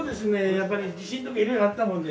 やっぱり地震の時いろいろあったもんで下を改修。